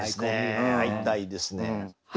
会いたいですね。